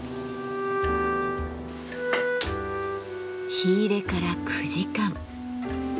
火入れから９時間。